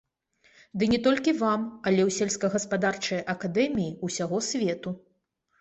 Ды не толькі вам, але ў сельскагаспадарчыя акадэміі ўсяго свету.